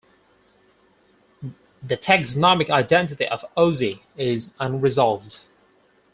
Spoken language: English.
The taxonomic identity of "Ausia" is unresolved.